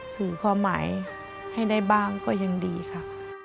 สื่อความหมายให้ได้บ้างก็ยังดีค่ะ